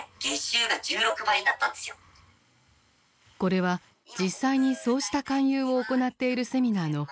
これは実際にそうした勧誘を行っているセミナーの音声記録です。